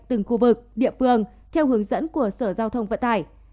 từng khu vực địa phương theo hướng dẫn của sở giao thông vận tải